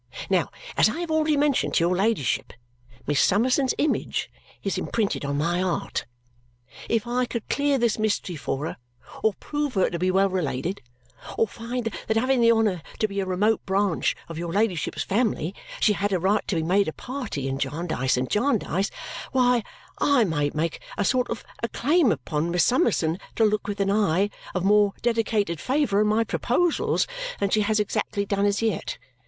Now, as I have already mentioned to your ladyship, Miss Summerson's image is imprinted on my 'eart. If I could clear this mystery for her, or prove her to be well related, or find that having the honour to be a remote branch of your ladyship's family she had a right to be made a party in Jarndyce and Jarndyce, why, I might make a sort of a claim upon Miss Summerson to look with an eye of more dedicated favour on my proposals than she has exactly done as yet.